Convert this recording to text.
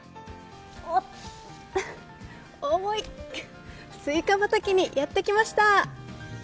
重い、スイカ畑にやってきました